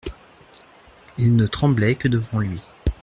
Ils ne tremblaient que devant lui.